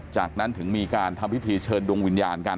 จากนั้นถึงมีการทำพิธีเชิญดวงวิญญาณกัน